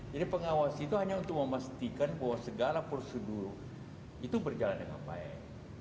jadi pengawas itu hanya untuk memastikan bahwa segala prosedur itu berjalan dengan baik